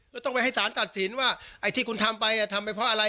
แล้วต้องไปให้สารตัดสินว่าไอ้ที่คุณทำไปทำไปเพราะอะไร